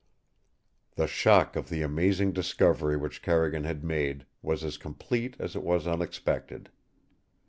XX The shock of the amazing discovery which Carrigan had made was as complete as it was unexpected.